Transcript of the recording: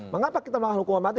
mengapa kita melakukan hukuman mati